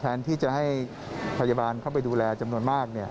แทนที่จะให้พยาบาลเข้าไปดูแลจำนวนมาก